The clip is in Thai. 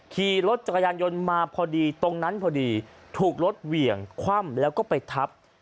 ขี่รถจักรยานยนต์มาพอดีตรงนั้นพอดีถูกรถเหวี่ยงคว่ำแล้วก็ไปทับ